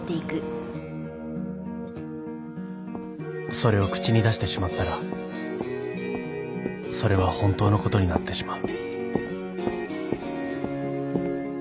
それを口に出してしまったらそれは本当のことになってしまう